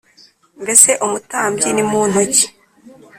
Mbese umutambyi ni muntu ki?